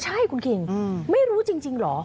ใช่คุณขิงไม่รู้จริง